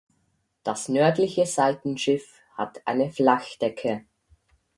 Das nördliche Seitenschiff hat eine Flachdecke.